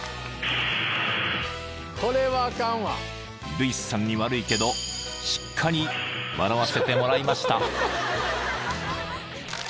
［ルイスさんに悪いけどしっかり笑わせてもらいました］